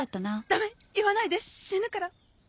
ダメ言わないで死ぬから。